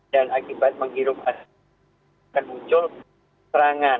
dan akibat menghirup asma akan muncul serangan